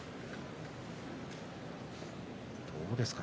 どうですか？